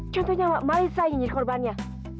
contohnya mbak marissa yang jadi korbannya